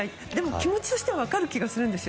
気持ちとしては分かる気がします。